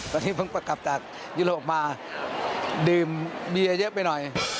ตอนนี้เพิ่งกลับจากยุโรปมาดื่มเบียร์เยอะไปหน่อย